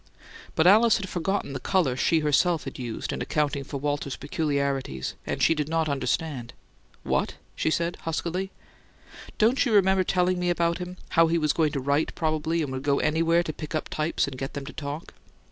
But Alice had forgotten the colour she herself had used in accounting for Walter's peculiarities, and she did not understand. "What?" she said, huskily. "Don't you remember telling me about him? How he was going to write, probably, and would go anywhere to pick up types and get them to talk?"